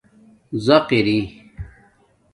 زَق ار